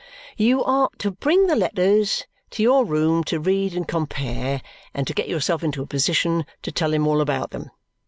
"You are to bring the letters to your room to read and compare, and to get yourself into a position to tell him all about them.